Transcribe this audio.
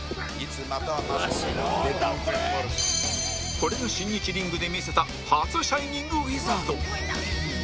これが新日リングで見せた初シャイニング・ウィザード